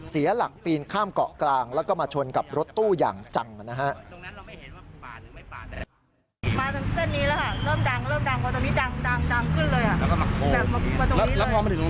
เสียหลักปีนข้ามเกาะกลางแล้วก็มาชนกับรถตู้อย่างจังนะฮะ